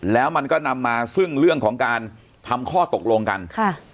แล้วมันก็นำมาซึ่งเรื่องของการทำข้อตกลงกันค่ะ